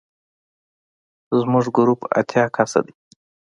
زموږ ګروپ اتیا کسه دی.